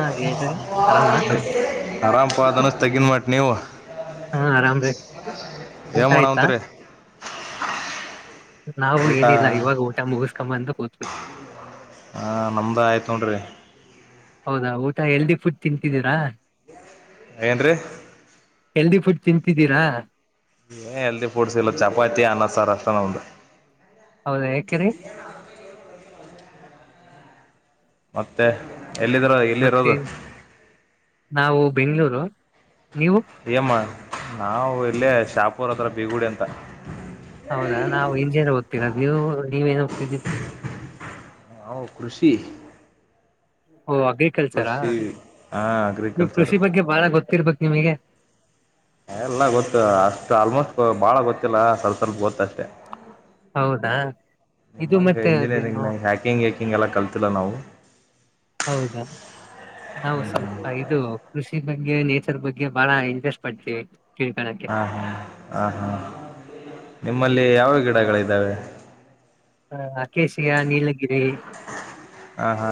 ಹಾ ಹೇಳ್ರಿ ಆರಾಮ ಆರಾಮಪ ಧನುಷ್ ತೆಗ್ಗಿನ್ ಮಟ್ ನೀವು ಹಾ ಆರಾಮ್ರೀ ಏನ ಊಟ ಆಯ್ತಾ ಮಾಡವಂತ್ರಿ ನಾವು ಊಟ ಏನಿಲ್ಲ ಇವಾಗ ಊಟ ಮುಗಸ್ಕೊಂಬಂದು ಕೂತೀನಿ ಹಾ ನಮ್ದ ಆಯ್ತು ನೋಡ್ರಿ ಹೌದಾ ಊಟ ಎಲ್ದಿ ಫುಡ್ ತಿಂತಿದ್ದೀರಾ ಏನ್ರೀ ಹೆಲ್ದಿ ಫುಡ್ ತಿಂತಿದ್ದೀರಾ ಹೆಲ್ದಿ ಫುಡ್ಸ್ ಇಲ್ಲ ಚಪಾತಿ ಅನ್ನ ಸರ್ ಅಷ್ಟ ನೋಡ್ರಿ ಹೌದಾ ಯಾಕ್ರೀ ಇಲ್ಲಿ ಏನು ಹಾಸ್ಟೇಲ್ ದಾಗ ಮತ್ತೆ ಎಲ್ಲಿದಿರ ಎಲ್ಲಿ ಮತ್ತೆ ಇರೋದು ನಾವು ಬೆಂಗಳೂರು ನೀವು ಎಮ್ಮ ನಾವವು ಇಲ್ಲೇ ಶಾಪೂರ್ ಹತ್ರ ಬೀಗುಡಿ ಅಂತ ಹೌದಾ ನಾವು ಇಂಜಿನಿಯರ್ ಹೋಗ್ತೀರ ನೀವು ನೀವೇನು ಕ ಜ ಹ ಕೃಷಿ ಓಹ ಅಗ್ರಿಕಲ್ಚರಾ ಕೃಷಿ ಹಾ ಇದು ಅಗ್ರಿಕಲ್ಚರ್ ಕೃಷಿ ಬಗ್ಗೆ ಬಾಳ ಗೊತ್ತ ಇಿರ್ಬೇಕಕ್ ನಿಮಗೆ ಎಲ್ಲ ಗೊತ್ತು ಅಷ್ಟ್ ಆಲ್ಮೋಸ್ಟ್ ಬಾಳ ಗೊತ್ತಿಲ್ಲ ಸ್ವಲ್ಪ ಸ್ವಲ್ಪ ಗೊತ್ತಷ್ಟೇ ಹೌದಾ ಇದು ಮತ್ತೆ ಅದೇನು ಹಿಗೆಲ್ಲ ಕಲ್ತಿಲ್ಲ ನಾವು ಹೌದಾ ನಾವು ಸ್ವಲ್ಪ ಇದು ಕೃಷಿ ಬಗ್ಗೆ ನೇಚರ್ ಬಗ್ಗೆ ಬಾಳ ಇಂಟ್ರೆಸ್ಟ್ ಪಡ್ತೀವಿ ತಿಳ್ಕಳಕ್ಕೆ ಹಾ ಹಾ ಹ ಹಾ ನಿಮ್ಮಲ್ಲಿ ಯಾವಾಗ ಗಿಡಗಳಿದ್ದಾವೆ ಹ ಕೇಶಿಯ ನೀಲಗಿರಿ ಹ ಹಾ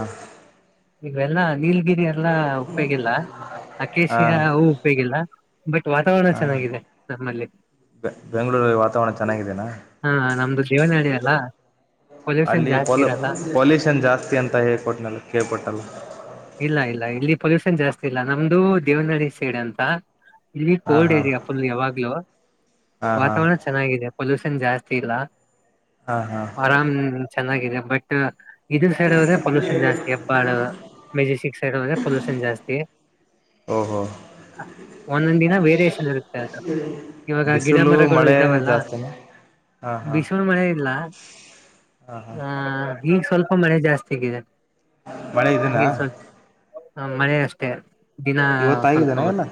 ಇವೆಲ್ಲ ನೀಲ್ಗಿರಿ ಎಲ್ಲ ಉಪ್ಪೇೋಗಿಲ್ಲ ಹಾ ಅಕೇಶಿಯ ಹೂ ಉಪೇೋಗಿಲ್ಲ ಬಟ್ ವಾತಾವರಣ ಚೆನ್ನಾಗಿದೆ ನಮ್ಮಲ್ಲಿ ಬೆಂಗಳೂರಲ್ಲಿ ವಾತಾವರಣ ಚೆನ್ನಾಗಿದೆನಾ ಹಾ ನಮ್ದು ದೇವನಹಳಿ ಅಲ್ಲ ಪೊಲ್ಯೂಷನ್ ಅಲ್ಲಿ ಪ ಜಾಸ್ತಿ ಇರಲ್ಲ ಪೊಲ್ಯೂಷನ್ ಜಾಸ್ತಿ ಅಂತ ಹೇಳ್ಕೊಟ್ಟ ನ ಕೇಳ್ಬಟ್ಟ ಇಲ್ಲ ಇಲ್ಲ ಇಲ್ಲಿ ಪೊಲ್ೂಷನ್ ಜಾಸ್ತಿ ಗಲ್ಲ ನಮ್ದು ದೇವನಹಳ್ಳಿ ಸೈಡ್ ಅಂತ ಇಲ್ಲಿ ಹಾಂ ಕೋಲ್ಡ್ ಹಾಂ ಏರಿಯಾ ಫುಲ್ ಯಾವಾಗ್ಲೂ ಹಾಂ ಹಾಂ ವಾತಾವರಣ ಚೆನ್ನಾಗಿದೆ ಜಾಸ್ತಿ ಇಲ್ಲಾ ಹಾಂ ಹಾಂ ಆರಾಮ ಚೆನ್ನಾಗಿದೆ ಬಟ್ ಇದ ಸೈಡ್ ಆದ್ರೆ ಪೊಲ್ೂಷನ್ ಜಾಸ್ತಿಿಯ ಬಾಳ ಮೆಜೆಸ್ಟಿಕ್ ಸೈಡ್ೆ ಪೊಲ್ೂಷನ್ ಜಾಸ್ತಿ ಓಹೋ ಒಂದೊಂದ ದಿನ ವೇರಿಷನ್ ಇರುತ್ತೆ ಅದು ಇವಾಗ ಗಿಡ ಬಿಸಿಲು ಮರಗಳು ಮಳೆ ಇದಾವಲ್ಲ ಜಾಸ್ತಿನ ಹಾಂ ಹಾಂ ಬಿಸಲು ಮಳೆ ಇಲ್ಲ ಹಾಂ ಹಾಂ ಆ ಈಗ ಸ್ವಲ್ಪ ಮಳೆ ಜಾಸ್ತಿ ಆಗಿದೆ ಮಳೆ ಇದನಾ ಹ ಮಳೆ ಅಷ್ಟೇ ದಿನ ಇವತ್ತ ಸ್ವಲ್ಪ ಆಗಿದ್ದಾನ ಎಲ್ಲ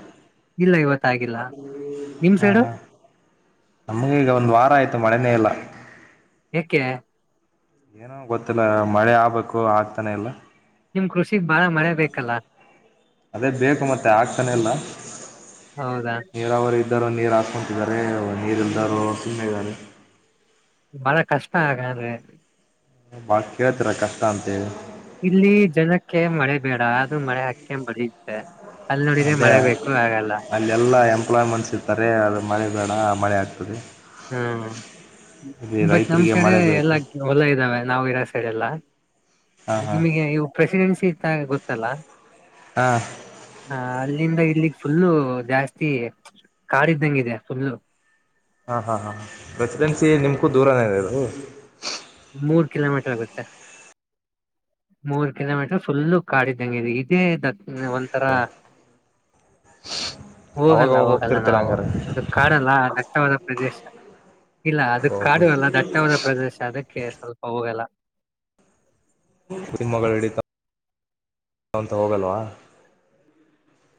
ಇಲ್ಲ ಇವತ್ತಾಗಿಲ್ಲ ನಿಮ್ ಹಾ ಸೈಡು ಹಾ ನಮ್ಗೆ ಈಗ ಒಂದ್ ವಾರ ಆಯ್ತು ಮಳೆನೆೇ ಎಲ್ಲ ಯಕೆ ಏನೋ ಗೊತ್ತಿಲ್ಲ ಮಳೆ ಆಬೇಕು ಆಗ್ತಾನೆ ಎಲ್ಲ ನಿಮ್ ಕೃಷಿಗ್ ಬಾಳ ಮಳೆ ಬಲ್ಲ ಅದೇ ಬೇಕು ಮತ್ತೆ ಆಗ್ತಾನೆ ಎಲ್ಲ ಹೌದಾ ನೀರಾವರ ಇದಾರ ನೀರು ಹಾಸ್ಕೊಂತಿದ್ದಾರೆ ನೀರು ಇಲ್ದಾರ ಸುಮ್ಮ ಇದಾರೆ ಬಳ ಕಷ್ಟ ಆಗಂದ್ರೆ ಬಾಿ ಕೇಳ್ತರ ಕಷ್ಟ ಅಂತ ಹೇಳಿ ಇಲ್ಲಿ ಜನಕ್ಕೆ ಮಳೆ ಬೇಡ ಆದ್ರೂ ಮಳೆ ಹಾಕೇ ಬಳತ್ತೆ ಅದೇ ಅಲ್ಲ ಎಲ್ಲಾ ಎಂಪ್ಲಾಯ್ಮೆಂಟ್ಸ್ ಇತಾರೆ ಅದು ಮನೆ ಬೇಡ ಮಳೆ ಆಗ್ತದೆ ಹ್ಮ್ ಇಲ್ಲಿ ಬಟ್ ನಮ್ ರೈತರಿಗೆ ಸೈಡೆ ಮಳೆ ಎಲ್ಲ ಬೇಕು ಹೊಲ ಇದ್ದಾವೆ ನಾವವು ಇರೋ ಸೈಡೆ ಎಲ್ಲ ಹಾ ಹಾ ನಿಮಗೆ ಇವು ಪ್ರೆಸಿಡೆನ್ಸಿ ಗೊತ್ತಲ್ಲಾ ಹ ಅಲ್ಲಿಂದ ಇಲ್ಲಿಗ್ ಫುಲ್ಲು ಜಾಸ್ತಿ ಕಾಡಿದ್ದಂಗಿದೆ ಫುಲ್ಲು ಹಾ ಹಾ ಹಾ ಪ್ರೆಸಿಡೆನ್ಸಿ ನಿಮ್ಕೂ ದೂರನೇ ಇದು ಮೂರ್ ಕಿಲೋಮೀಟರ್ ಆಗುತ್ತೆ ಮೂರ್ ಕಿಲೋಮೀಟರ್ ಫುಲ್ಲು ಕಾಡಿದ್ದಂಂಗಿದೆ ಇದೇ ದ ಒಂಥರ ಅವಾಗ ಹೋಗಲ್ಲ ಹೋಗಲ್ಲ ಹೋಗ್ತಿರ್ತಾರೆ ನಾವು ಹಂಗಾರೆ ಅದು ಕಾಡಲ್ಲ ರಕ್ತವಾದ ಪ್ರದೇಶ ಇಲ್ಲ ಅದು ಓಕೆ ಕಾಡು ಅಲ್ಲ ದಟ್ಟವಾದ ಪ್ರದೇಶ ಅದಕ್ಕೆ ಹೋಗಲ್ಲ ಮಗಳು ಹಿಡಿತ ಅಂತ ಹೋಗಲ್ವಾ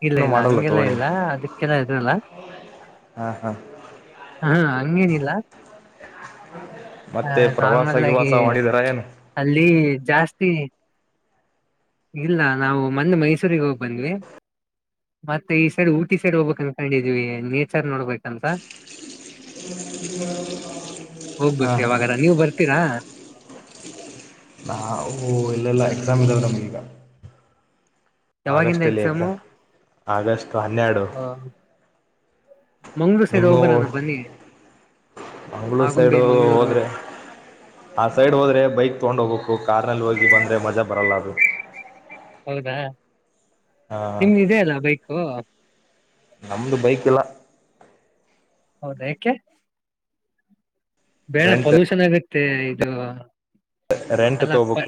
ಇಲ್ಲ ಏನು ಇಲ್ಲ ಮಾಡಲ್ಲ ಹಂಗೆಲ್ಲ ತೋಳಿ ಇಲ್ಲ ಅದಕ್ಕೆಲ್ಲ ಹೆದ್ರಲ್ಲ ಹಾ ಹಾ ಹ ಹಂಗೇನಿಲ್ಲ ಮತ್ತೆ ಪ್ರವಾಸ ನಾರ್ಮಲ್ ಆಗಿ ಗಿವಾಸ ಮಾಡಿದಾರ ಏನು ಅಲ್ಲಿ ಜಾಸ್ತಿ. ಇಲ್ಲ ನಾವು ಮೊನ್ನೇ ಮೈಸೂರಿಗೆ ಹೋಗ್ ಬಂದ್ವಿ ಮತ್ತೆ ಈ ಸೈಡ್ ಊಟಿ ಸೈಡ್ ಹೋಬೇಕ ಅನ್ಕೊಂಡಿದ್ವಿ ನೇಚರ್ ನೋಡ್ಬೇಕಂತ. ಹಾ ಹೋಗ್ಬೇಕು ಹಾ ಯಾವಾಗಾರ ನೀವ್ ಬರ್ತೀರಾ ನಾ ಓ ಇಲ್ಲಿಲ್ಲ ಎಕ್ಸಾಮ್ ಇದವ ನಮ್ಗೀಗ. ಯಾವಾಗಿಂದ ಆಗಸ್ಟ್ ಅಲ್ಲಿ ಎಕ್ಸಾಮು ಎಕ್ಸಾಮ್ ಆಗಸ್ಟ್ ಹನ್ನೆರಡು ಮಂಗ್ಳೂರ್ ಸೈಡ್ ನಿಮ್ಮು ಹೋಗ್ಬರೋಣ ಬನ್ನಿ ಮಂಗಳೂರು ಆಗುಂಬೆ ಸೈಡು ಮಂಗ್ಳೂರು ಹೋದ್ರೆ ಆ ಸೈಡ್ ಹೋದ್ರೆ ಬೈಕ್ ತೊಂಡ್ ಹೋಬಕು. ಕು ಕಾರ್ನಲ್ಲಿ ಹೋಗಿ ಬಂದರೆ ಮಜಾ ಬರಲ್ಲಾ ಅದು. ಹೌದಾ ಹ ನಿಮ್ದ ಇದೆ ಅಲ್ಲಾ ಬೈಕು. ನಮ್ದು ಬೈಕ್ ಇಲ್ಲ. ಹೌದಾ ಏಕೆ. ಬೇಡ ರೆಂಟ್ ಪೊಲ್ಯೂಷನ್ ಆಗುತ್ತೆ ತ್ತೆ ಇದು. ರೆಂಟ್ ಅಲ್ಲ ಪ ತೋಬಕ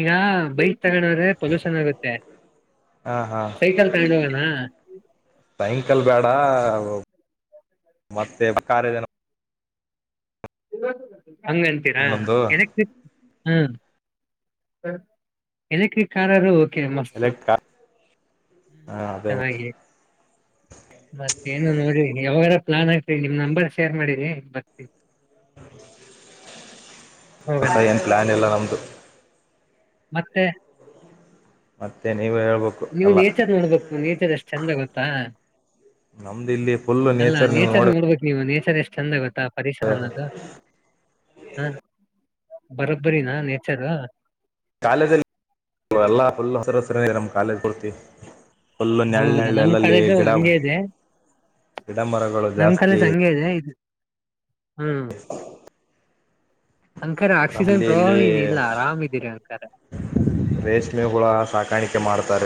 ಇಗ ಬೈ ತಗೊಂಡದ್ರೆ ಪೊಲ್ಯೂಷನ್ ಆಗುತ್ತೆ ಹಾ ಹಾ ಸೈಕಲ್ ತಗೊಂಡಹೋಗೋಣ. ಸೈಂಕಲ್ ಬೇಡ ಮತ್ತೆ ಕಾರ್ಯದೇನೋ ಇಲ್ಲ [unintelligible] ಹಂಗ ಅಂತೀರಾ ಒಂದೊಂದು ಎಲೆಕ್ಟ್ರಿಕ್ ಹ್ಮ ಏನಕ್ಕೆ ಕಾರದು. ಕೆ ಮಸ್ತು ಎಲೆಕ್ಟ್ ಕಾರ್ ಹ್ಮ ಹ ಅದು ಅದೇ ಚೆನ್ನಾಗಿ ಮತ್ತೇನು ನೋಡಿ ಯಾವಗರ. ಪ್ಲಾನ್ ಐತಿ ಈಗ ನಿಮ್ ನಂಬರ್ ಶೇರ್ ಮಾಡಿರಿ ಬರ್ತಿಗ. ಹ [inaudible] ಹೊಸ ಹೋಗೋಣ ಏನ್ ಪ್ಲಾನ್ ಇಲ್ಲ ನಮ್ದು. ಮತ್ತೆ ಮತ್ತೇನ ನೀವು ನೇಚರ್ ನೋಡ್ಬೇಕು ನೇಚರ್ ಎಷ್ಟ್ ಚಂದ ಗೊತ್ತಾ. ನಮ್ದು ಇಲ್ಲಿ ಫುಲ್ ನೇಚರ್ ನೀವು ನೋಡ. ಚರ ಎಷ್ಟ ಚಂದಗೊತ್ತ. ಪರಿಸರನದು. ಹಾ ಬರೋಬ್ಬರಿನಾ ನೇಚರ್. ಕಾಲೇಜಲ್ಲಿ ಎಲ್ಲಾ ಫುಲ್ ಹಸರ ಹಸರಿದೆ ನಮ್ಮ್ ಕಾಲೇಜ್ ಪೂರ್ತಿ. ಫುಲ್ಲು ನೆಳ್ ಹೌದಾ ನಮ್ ನೆಳ್ಳಲ್ಲಿ ಕಾಲೆಜು ಗಿಡ ಹಂಗೆ ಇದೆ ಗಿಡ ಮರಗಳು ನಮ್ ಜಾಸ್ತಿ ಕಾಲೇಜ್ ಹಂಗೆ ಇದೆ ಹ್ಮ್ ಅಂಕರ ಆಕ್ಸಿಜನ್ ನಮ್ಮಲ್ಲಿ ಇಲ್ಲಿ ಪ್ರಾಬ್ಲಮ್ ಏನಿಲ್ಲ ಆರಾಮ್ ಇದೀರಿ ಅಂಕರ ರೇಷ್ಮೆ ಹುಳ ಸಾಕಾಣಿಕೆ ಮಾಡ್ತಾ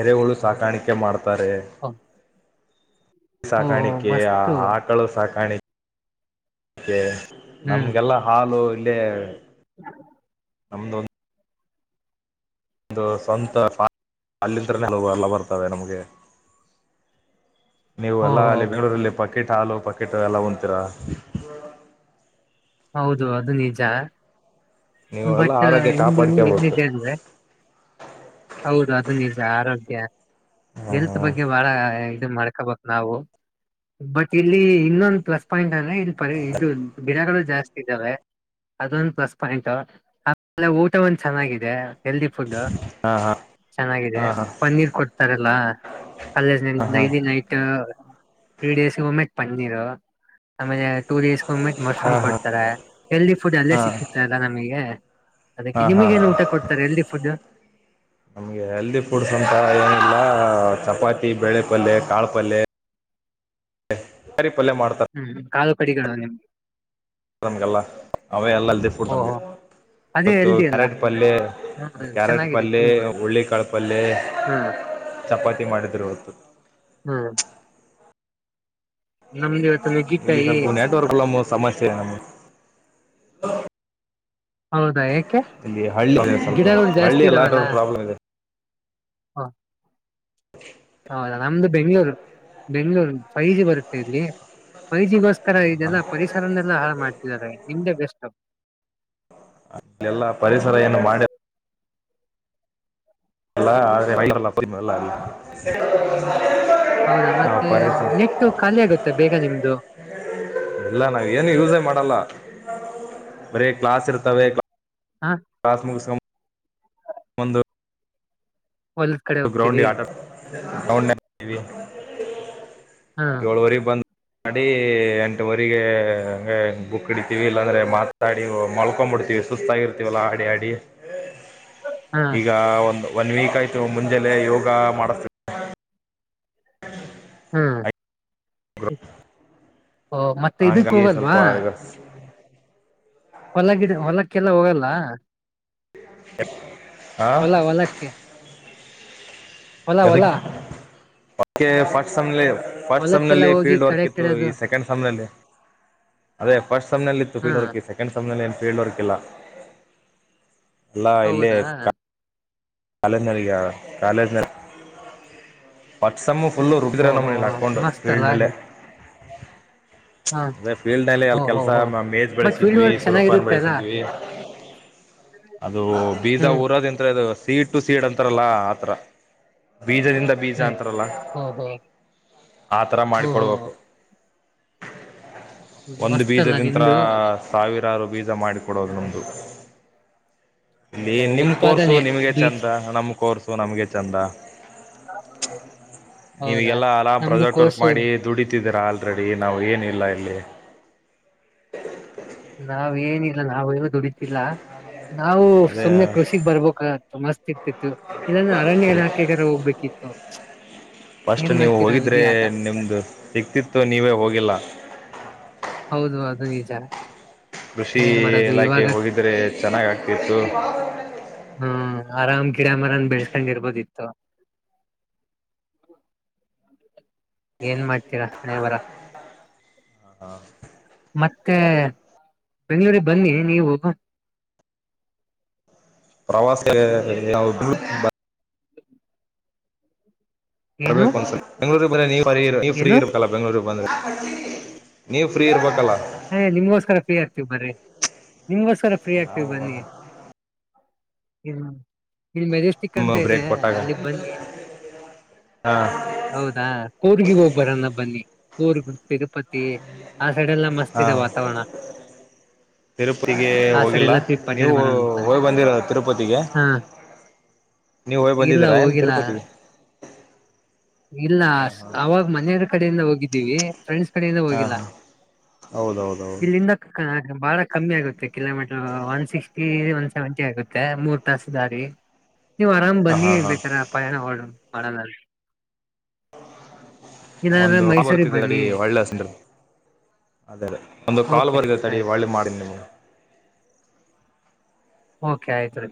ಎರೆ ಹಳು ಸಾಕಾಣಿಕೆ ಮಾಡ್ತಾರೆ ಬಾರೆ ಓಹ್ ಿ ಓಹೋ ಸಾಕಾಣಿಕೆ ಆ ಮಸ್ತು ಆಕಳ ಸಾಕಾಣಿಕೆ ಓೆ ನಮ್ಗೆಲ್ಲಾ ಹಾಲು ಅಂದ ಹ್ ನಮ್ದೊಂದು ಒಂದು ಸ್ವಂತ ಅಲ್ಲಿಿದ್ರ ಎಲ್ಲ ಬರ್ತವೆ ನಮ್ಗೆ ನೀವು ಅಲ್ಲ ಓಹೋ ಅಲ್ಲಿ ಬೆಂಗಳೂರಲ್ಲಿ ಪಕೆಟ್ ಹಾಲು ಪಕೆಟ್ ಎಲ್ಲ ಒಂತರ. ಹೌದು ಅದು ನಿಜ ನೀವು ಎಲ್ಲಾ ಬಟ್ ಆರೋಗ್ಯ ಇಲ್ಲಿ ಕಾಪಾಡ್ಕೋಬೇಕು ಎಲ್ಲಿದೆ ಅ್ರದೆ ಹೌದು ಅದು ನಿಜ ಆರೋಗ್ಯ ಹಾ ಎಲ್ತ್ ಬಗ್ಗೆ ಬಾಳ ಮಾಡ್ಕೋಬೇಕ ನಾವು ಬಟ್ ಇಲ್ಲಿ ಇನ್ನೊಂದು ಪ್ಲಸ್ ಪಾಯಿಂಟ್ ಇದು ಪರಿ ಇದು ಗಿಡಗಳು ಜಾಸ್ತಿ ಅದೊಂದು ಪ್ಲಸ್ ಪಾಯಿಂಟ್ ಆಮೇಲೆ ಊಟ ಒಂದ ಚೆನ್ನಾಗಿದೆ ಹೆಲ್ದಿ ಫುಡ್ ಚೆನ್ನಾಗಿದೆ ಹಾ ಹಾ ಪನ್ನೀರ್ ಕೊಡ್ತಾರಲ್ಲ ಹಾ ಕೇಜೈಲಿ ನೈಟ್ ತ್ರೀ ಡೇಸ್ ಒಮ್ಮೆ ಪನ್ನೀರು ಆಮೇಲೆ ಟೂ ಡೇಸ್ಗೆಂದ್ಿಟ್ ಹಾ ಮಶ್ರೂಮ್ ಹಾ ಹಾ ಕೊಡ್ತಾರೆ ಹೆಲ್ದಿ ಫುಡ್ ಅಲ್ಲೇ ಹಾ ಸಿಗುತ್ತೆ ಅಲ್ಲಾ ನಮಗೆ ಅದಕ್ಕೆ ಹಾ ಹಾ ನಿಮಗ ಏನು ಊಟ ಕೊಡ್ತಾರೆ ಎಲ್ದಿ ಫುಡ್ ನಮ್ಗೆ ಹೆಲ್ದಿ ಫುಡ್ಸ್ ಅಂತ ಏನಿಲ್ಲ ಹ ಚಪಾತಿ ಬೆೇಳೆ ಪಲ್ಯ ಕಾಳ ಪಲ್ೆ ಪಲ್ಯ ಮಾಡ್ತಾರೆ ಹ್ಮ್ ಕಾಲು ಕಡಿಗಳು ನಿಮ್ಗೆ ಅನ್ ಕಲ್ಲ ಅವೇ ಎಲ್ಲಲ್ಲದೆಫುಡ್ ನಮಗೆ ಓಹೋ ಅದೇ ಇವತ್ತು ಹೆಲ್ದಿ ಅಲ್ಲ ಕ್ಯಾರೆಟ್ ಪಲ್ಯ ಹ್ಮ್ ಕ್ಯಾರೆಟ್ ಚೆನ್ನಾಗಿದೆ ಪಲ್ಯ ತಿನ್ಬೋದು ಹುಳ್ಳಿಕಾಳ ಪಲ್ಯ ಹ್ಮ್ ಚಪಾತಿ ಮಾಡಿದರು ಇವತ್ತು ಹ್ಮ್ ನಮ್ದು ಇವತ್ತು ಇಲ್ಲಿ ನುಗ್ಗಿಕಾಯಿ ಸ್ಲ್ಪು ನೆಟ್ವರ್ಕ್ಗಳಮ್ಮ ಸಮಸ್ಯೆ ಇದೆ ನಮಗೆ [inaudible] ಹೌದಾ ಯಾಕೆ ಇಲ್ಲಿ ಹಳ್ಳಿ ಸ್ವಲ್ಪ ಗಿಡಗಳು ಹಳ್ಳಿ ಲ ಪ್ರಾಬ್ಲಮ್ ಆಗ ಹಾ ಹೌದಾ ನಮ್ದು ಬೆಂಗ್ಳೂರು ಬೆಂಗ್ಳೂರು ಫೈವ ಜಿ ಬರುತ್ತೆ ಇಲ್ಲಿ ಫೈವ ಜಿ ಬಸ್ ಈರ ಇದೆಲ್ಲಾ ಪರಿಸರಲ್ಲ ಹಾಳ ಮಾಡ್ತಿದ್ದಾರೆ ನಿಮ್ದೆ ಬೆಸ್ಟ್ ಹ ಎಲ್ಲಾ ಪರಿಸರ ಏನು ಮಾಡಿದ ಲ್ಲ ಆ ಮೈ ಎಲ್ಲ ಪ್ರಡಿಮ ಇಲ್ಲ ಅಲ್ಲಿ ಹೌದಾ ನಾವು ಮತ್ತೆ ಪರಿಸರ ನೆಟ್ಟು ಖಾಲಿ ಆಗುತ್ತೆ ಬೇಗ ನಿಮ್ದು ಬರೇ ಕ್ಲಾಸ್ ಇರ್ತವೆ ಕ ಹಾ ಪ್ರಾಥಮಿಕ ಸಮ ಒಂದು ಒಲ್ದ್ ಕಡೆ ಹೋಗ್ತೀರಿ ಹೌಟವಿ ಹಾ ಏಳುವರಿ ಬಂದ ಮಾಡಡಿ ಎಂಟುವರೆಗೆ ಬುಕ್ಿಡ್ಿತೀವಿ ಲ್ಲ ಅಂದ್ರೆ ಮಾತಾಡಿ ಮಲ್ಕೊಂಡ್ ಬಿಿಡ್ತೀವಿ ಸುಸ್ತಾಗಿರ್ತೀವಲ್ಲ ಆಡಿ ಆಡಿ ಹಾ ಈಗ ಒಂದು ಒನ್ ವೀಕ ಆ ಮುಂಜೆಲ್ಲೆ ಯೋಗ ಮಾಡಿಸತ ಹ ಹ್ಮ್ ಓ ಮತ್ತೆ ಇದಕ್ಕ ಹಂಗಾಗಿ ಸ್ವಲ್ಪ ಹೋಗಲ್ವಾ ಈಗ ಹೊಲ ಗಿಡ ಹೊಲಕ್ಕೆಲ್ಲ ಹೋಗಲ್ಲ [unintelligible] ಎ ಹಾ ಹೊಲ ಹೊಲಕ್ಕೆ ಹೊಲ ಹೊಲ ಇದದಕ್ಕೆ ೆ ಫಸ್ಟ್ ಸಮ ಫಸ್ಟ್ ಹೊಲಕ್ಕೆಲ್ಲ ಸಮ್ನಲ್ಲಿ ಹೋಗಿ ಫೀಲ್ಡ್ ವರ್ಕ್ ಕಡೆ ಇತ್ತು ಈ ಕೆಡದು ಸೆಕೆಂಡ್ ಸಮ್ನಲ್ಲಿ ಅದೇ ಫಸ್ಟ್ ಸಮ್ನಲ್ಲಿ ಇತ್ತು ಹಾ ಫೀಲ್ಡ್ ವರ್ಕ್ ಸೆಕೆಂಡ್ ಸಮ್ನಲ್ಲಿ ಏನು ಫೀಲ್ಡ್ ವರ್ಕ್ ಇಲ್ಲ ಹೌದಾ ಲಾಯ್ಲೆಕ್ಕ ಕಾಲಜ್ ಕಾಲಜ ವಟ್ಸ ಫುಲ್ಲ ರುಬ್ಬಿದ್ರ ಓಹೋ ನಮ್ಮನಲಿ ಹಾಕೊಂಡು ಮಸ್ತ್ ಫೀಲ್ಡ್ ಅಲ್ಲ ನಲ್ಲ ಹಾ ಅ ಫೀಲ್ಡ್ ನಲ್ಲಿ ಎಲ್ಲಿ ಓಹೋ ಕೆಲಸ ಹೋ ಮೇಜ್ ಬಟ್ ಫೀಲ್ಡ್ ಬೆಳಸಿದ್ವಿ ವರ್ಕ್ ಸುರಫನ್ ಚೆನ್ನಾಗಿರುತ್ತೆ ಅಲ್ಲ ಬೆಳಸಿದ್ವಿ ಅದು ಬೀಜ ಹ್ಮ್ ಊರದ ಇಂತ ಸೀಡ್ ಟು ಸೀಡ್ ಅಂತಾರಲ್ಲ ಆ ಥರ ಬೀಜದಿಂದ ಬೀಜ ಹ್ಮ್ ಅಂತಾರಲ್ಲ ಓಹೋ ಆ ಥರ ಓಹೋ ಮಾಡಿಕೊಡ್ಬೇಕು ಒಂದು ಮಸ್ತ್ ಅಲ್ಲ ಬೀಜದಿಂತ್ರ ನಿಮ್ದು ಸಾವಿರಾರು ಬೀಜ ಮಾಡಿಕೊಡೋದು ನಮ್ದು ನೀ ನಿಮ ಕೋರ್ಸು ಉತ್ಪಾದನೆ ನಿಮಗೆ ಬೀಜ ಚಂದ ನಮ ಕೋರ್ಸು ನಮ್ಗೆ ಚಂದ ಹೌದಾ ನೀವಗೆಲ್ಲ ಅರಾಮ್ ನಮ್ದು ಪ್ರಾಜೆಕ್ಟ್ ವರ್ಕ್ ಕೋರ್ಸು ಮಾಡಿ ದುಡಿತಿದ್ದೀರಾ ಅ ರೆೆಡಿ ನಾವು ಏನಿಲ್ಲ ಇಲ್ಲಿ ನಾವ್ ಏನಿಲ್ಲ ನಾವು ದುಡಿತೀವಿ ಇಲ್ಲ ನಾವು ಅದೇ ಸುಮ್ನೆ ಕೃಷಿ ಬರ್ಬೇಕ ಮಸ್ತ್ ಇರ್ತಿತ್ತು ಇಲ್ಲಂದ ಅರಣ್ಯ ಇಲಾಖೆ ಅದ್ರು ಹೋಗ್ಬೇಕಿತ್ತು ಫಸ್ಟ್ ಏನ್ ನೀವು ಮಾಡ್ತೀರಾ ಹೋಗಿದ್ರೆ ವಿಧಿ ಆಟ ನಿಮ್ದು ಸಿಕ್ತಿತ್ತು ನೀವೇ ಹೋಗಿಲ್ಲ ಹೂ ಹೌದು ಅದು ನಿಜ ಕೃಷಿ ಏನ್ ಮಾಡೋದು ಇಲಾಖೆ ಇವಾಗ ಹೋಗಿದ್ರೆ ಚೆನ್ನಾಗ ಆಗ್ತಿತ್ತು ಹ್ಮ್ ಆರಾಮ್ ಕಿರಾಮರನ್ ಬೆಳ್ಸ್ಕೊಂಡ್ ಇರ್ಬೋದಿತ್ತು ಏನ್ ಮಾಡ್ತೀರಾ ಹಣೆ ಬರ ಹ ಹಾ ಮತ್ತೆ ಬೆಂಗಳೂರು ಗೆ ಬನ್ನಿ ನೀವು ಪ್ರವಾಸ ಏನು ಬರ್ಬೇಕು ಒನ್ಸಲ್ ಬೆಂಗಳೂರು ಮಲೆ ನೀವು ಫ್ರೀ ಏನು ಇರಬೇಕಾ ಅಲ್ಲ ನೀವು ಬೆಂಗಳೂರ್ ಬಂದ್ರ ನೀವು ಫ್ರೀ ಇರ್ಬೇಕಲ್ಲ ನೀವು ಬರ್ರಿ ನಿಂಗ್ಸ್ಕರ ಫ್ರೀ ಆಗ್ತೀವಿ ಬನ್ನಿ ಹೂ ಇಲ್ಲಿ ಮೆಜೆಸ್ಟಿಕ್ ನಿಮ್ಮ ಅಂತ ಇದೆ ಬ್ರೇಕ್ ಕೊಟ್ಟಾಗ ಅಲ್ಲಿ ಬನ್ನಿ ಹಾ ಹೌದಾ ಕೂರ್ಗ ಹೋಗಬರನ್ನ ಬನ್ನಿ ಊರು ತಿರುಪತಿ ಆ ಸೈಡ್ ಎಲ್ಲಾ ಮಸ್ತ್ ಇದೆ ಹಾಂ ವಾತಾವರಣ ತಿರುಪತಿಗೆ ಆ ಸರಿ ಹೋಗಿಲ್ಲ ಎಲ್ಲ ತಿರ್ಗಿ ಪಟ್ಟಾಡಿ ನೀವು ಬರೋಣ ಅಂತ ಹೋಗ್ಿ ಬಂದಿರ ತಿರುಪತಿಗೆ ಹಾ ನೀವು ಹೋಗ್ ಇಲ್ಲ ಬಂದಿದ್ದೀರಾ ಏನು ಹೋಗಿಲ್ಲ ತಿರುಪತಿಗೆ ಇಲ್ಲ ಹಾಂ ಹಾಂ ಅವಾಗ ಮನೆಯವದ ಕಡೆಯಿಂದ ಹೋಗಿದ್ದ ಇದ್ದೀವಿ ಫ್ರೆಂಡ್ಸ್ ಕಡೆಯಿಂದ ಹಾಂ ಹೋಗಿಲ್ಲ ಹಾಂ ಹೌದೌದೌದು ಇಲ್ಲಿಂದ ಬಾಳ ಕಮ್ಮಿ ಆಗುತ್ತೆ kilometre one sixty one seventy ಆಗುತ್ತೆ ಮೂರ್ ತಾಸ ದಾರಿ ನೀವ್ ಆರಾಮ್ ಹಾಂ ಬನ್ನಿ ಹಾಂ ಹಾಂ ಬೇಕಾರ ಪಯ ಪಡದ ಹ ಒಂದು ಕಾಲು ಬರ್ತದೆ ಅಡಿ ಒಳ್ಳೆ ಅಸನ್ ರೀ ಅದೇ ಅದೇ ಒಂದು ಕಾಲು ಓಕೆ ರೀ ಬರ್ಗ ತಡಿ ಆಯ್ತು ಒಳ್ಳೆ ಮಾಡಿನಿ ನಿಮಗೆ ಓಕೆ ಆಯ್ತ್ ರೀ